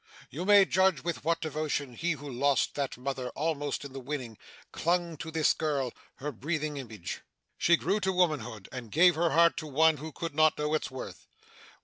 You may judge with what devotion he who lost that mother almost in the winning, clung to this girl, her breathing image. She grew to womanhood, and gave her heart to one who could not know its worth.